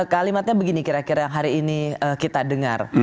kalimatnya begini kira kira yang hari ini kita dengar